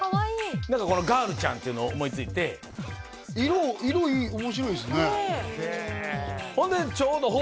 何かこの「ＧＩＲＬちゃん」っていうのを思いついて色いい面白いですねね